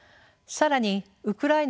更にウクライナ